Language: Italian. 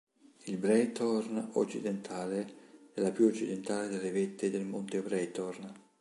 Il Breithorn Occidentale è la più occidentale delle vette del monte Breithorn.